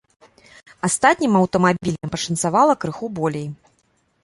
Астатнім аўтамабілям пашанцавала крыху болей.